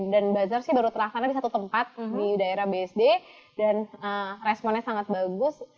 dan bazar sih baru terlaksana di satu tempat di daerah bsd dan responnya sangat bagus